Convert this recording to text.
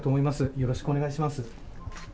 よろしくお願いします。